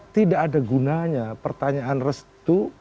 tidak ada gunanya pertanyaan restu